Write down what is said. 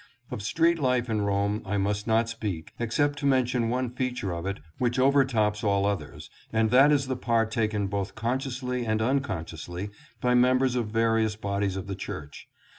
Of street life in Rome I must not speak except to mention one feature of it which overtops all others, and that is the part taken both consciously and uncon sciously by members of various bodies of the church.